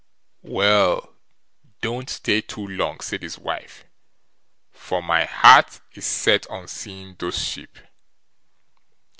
"Well, don't stay too long", said his wife, "for my heart is set on seeing those sheep."